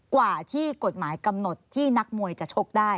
กว่าที่กฎหมายกำหนดที่นักมวยจะชกได้